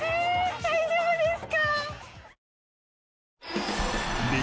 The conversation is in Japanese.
大丈夫ですか？